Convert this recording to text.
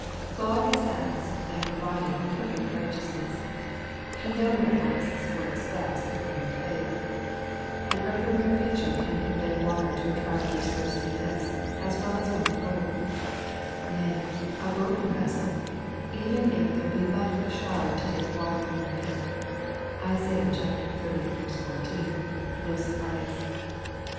God has asked and provided a perfect righteousness; He nowhere asks nor expects a perfect faitL An earthenware pitcher can convey water to the traveller's thirsty lips as well as one of gold; nay, a broken vessel, even if there be but 'a sherd to take water from the pit' (Isa. XXX. 14), will sufl&ce.